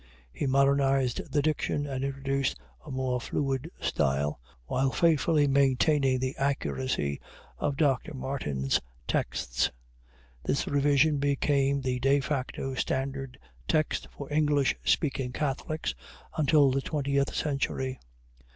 He modernized the diction and introduced a more fluid style, while faithfully maintaining the accuracy of Dr. Martin's texts. This revision became the 'de facto' standard text for English speaking Catholics until the twentieth century.